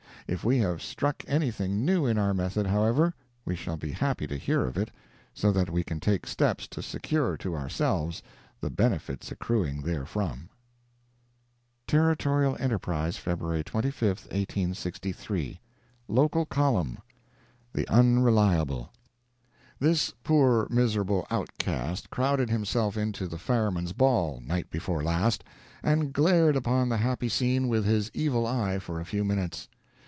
If we have struck anything new in our method, however, we shall be happy to hear of it, so that we can take steps to secure to ourself the benefits accruing therefrom. Territorial Enterprise, February 25, 1863 LOCAL COLUMN THE UNRELIABLE.—This poor miserable outcast crowded himself into the Firemen's Ball, night before last, and glared upon the happy scene with his evil eye for a few minutes.